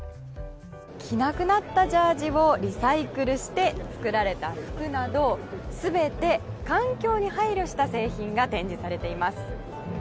着なくなったジャージーをリサイクルして作られた服など全て、環境に配慮した製品が展示されています。